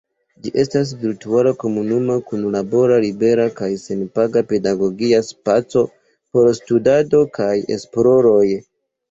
Ĝi estas virtuala komunuma kunlabora libera kaj senpaga pedagogia spaco por studado kaj esploroj.